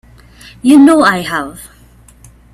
You know I have.